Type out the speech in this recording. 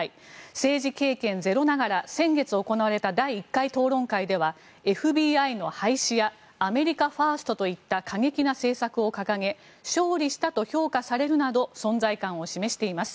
政治経験ゼロながら先月行われた第１回討論会ではＦＢＩの廃止やアメリカファーストといった過激な政策を掲げ勝利したと評価されるなど存在感を示しています。